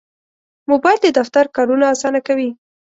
موبایل د دفتر کارونه اسانه کوي.